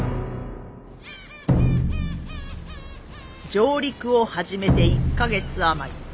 上陸を始めて１か月余り。